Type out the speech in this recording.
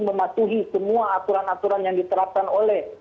mematuhi semua aturan aturan yang diterapkan oleh